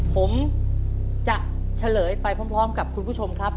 ผมจะเฉลยไปพร้อมกับคุณผู้ชมครับ